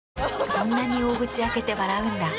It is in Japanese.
そんなに大口開けて笑うんだ。